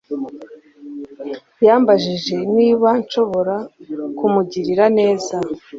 yambajije niba nshobora kumugirira neza.